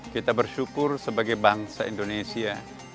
kita bersyukur sebagai bangsa indonesia